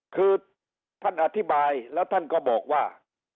คือท่านอธิบายแล้วท่านก็บอกว่า